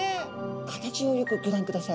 形をよくギョ覧ください。